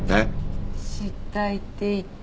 失態って言った。